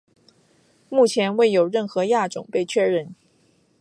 目前未有任何亚种被确认。